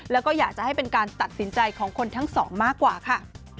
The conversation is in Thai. แล้วก็อยากจะให้เป็นการตัดสินใจของคนทั้งสองมากกว่าค่ะ